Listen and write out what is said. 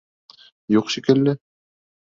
Юҡ шикелле.